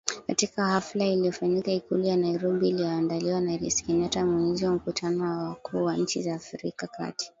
katika hafla iliyofanyika Ikulu ya Nairobi iliyoandaliwa na Rais Kenyatta mwenyeji wa mkutano wa wakuu wa nchi za Afrika ya kati